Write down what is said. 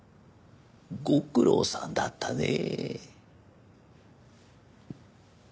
ご苦労さんだったねえ。